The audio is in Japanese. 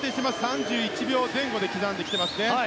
３１秒前後で刻んできていますね。